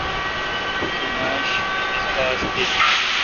کلاش می اس باس دیت۔